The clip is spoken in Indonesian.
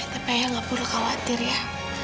tapi ayah gak perlu khawatir ya